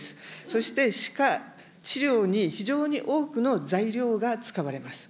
そして歯科治療に非常に多くの材料が使われます。